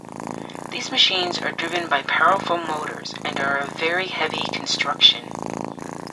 These machines are driven by powerful motors and are of very heavy construction.